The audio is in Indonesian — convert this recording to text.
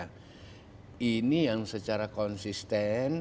nah ini yang secara konsisten